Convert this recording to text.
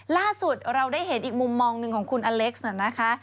ล่าสุดเราได้เห็นอีกมุมมองหนึ่งของคุณอเล็กซ์นะคะ